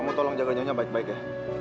kamu tolong jaga nyonya baik baik ya